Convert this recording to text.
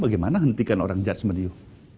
bagaimana hentikan orang yang menjudgement anda